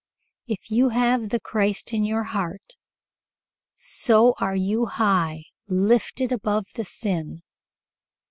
"If you have the Christ in your heart so are you high lifted above the sin."